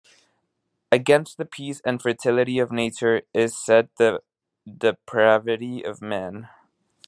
Against the peace and fertility of nature is set the depravity of men.